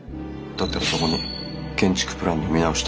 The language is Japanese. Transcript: だったらそこに建築プランの見直し